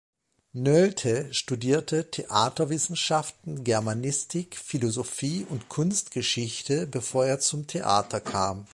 Noelte studierte Theaterwissenschaften, Germanistik, Philosophie und Kunstgeschichte, bevor er zum Theater kam.